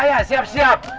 pak jaya siap siap